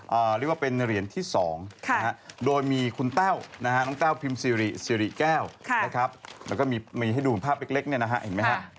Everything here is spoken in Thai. เรียกว่าเป็นเหรียญที่๒โดยมีคุณแต้วน้องแต้วพิมพ์ซีริเก้าแล้วก็มีให้ดูภาพเล็กนะฮะเห็นไหมฮะ